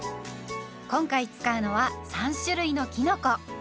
今回使うのは３種類のきのこ。